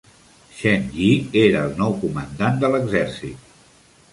Chen Yi era el nou comandant de l'exercit.